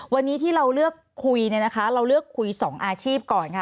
วันนี้ที่เราเลือกคุยเราเลือกคุยสองอาชีพก่อนค่ะ